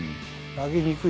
投げにくい。